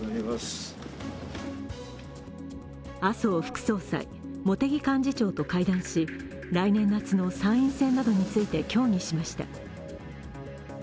麻生副総裁、茂木幹事長と会談し来年夏の参院選などについて協議しました。